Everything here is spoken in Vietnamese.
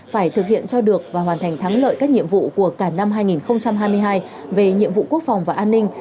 phải thực hiện cho được và hoàn thành thắng lợi các nhiệm vụ của cả năm hai nghìn hai mươi hai về nhiệm vụ quốc phòng và an ninh